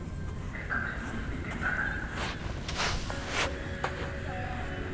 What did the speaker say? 楽しみにしていてください。